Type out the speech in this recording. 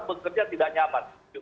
bekerja tidak nyaman